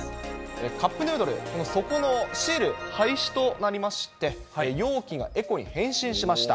カップヌードル、底のシール廃止となりまして、容器がエコに変身しました。